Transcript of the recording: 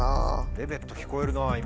レベット聞こえるな今。